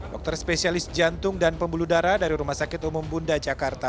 dokter spesialis jantung dan pembuluh darah dari rumah sakit umum bunda jakarta